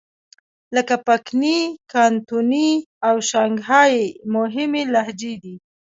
لکه پکني، کانتوني او شانګهای یې مهمې لهجې دي.